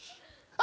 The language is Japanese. あ。